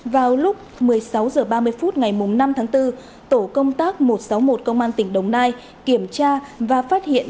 vào lúc một mươi sáu h ba mươi phút ngày năm tháng bốn tổ công tác một trăm sáu mươi một công an tỉnh đồng nai kiểm tra và phát hiện